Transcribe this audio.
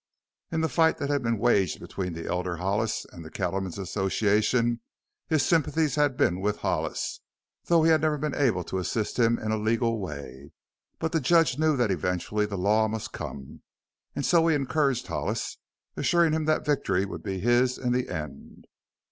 In the fight that had been waged between the elder Hollis and the Cattlemen's Association his sympathies had been with Hollis, though he had never been able to assist him in a legal way. But the judge knew that eventually the Law must come, and so he encouraged Hollis, assuring him that victory would be his in the end.